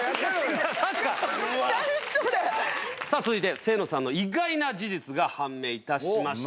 何それ⁉さぁ続いて清野さんの意外な事実が判明いたしました。